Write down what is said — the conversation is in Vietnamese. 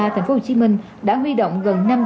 thành phố hồ chí minh đã huy động gần